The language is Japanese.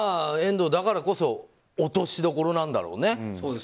遠藤、だからこそ落としどころなんだろうね。